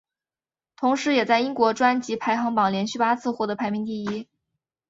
同时也在英国专辑排行榜连续八次获得排名第一。